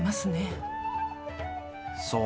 そう。